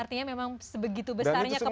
artinya memang sebegitu besarnya kepedulian green